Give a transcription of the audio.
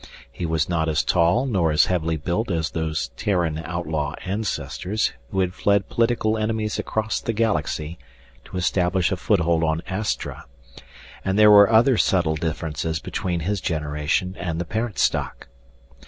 He was not as tall nor as heavily built as those Terran outlaw ancestors who had fled political enemies across the Galaxy to establish a foothold on Astra, and there were other subtle differences between his generation and the parent stock.